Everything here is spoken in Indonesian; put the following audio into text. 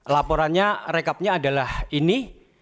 laporannya rekapnya adalah ini